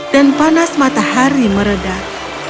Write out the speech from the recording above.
dan panas matahari meredah